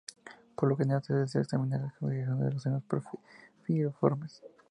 Por lo general se desea examinar la configuración de los senos piriformes.